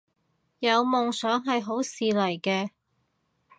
有夢想係好事嚟嘅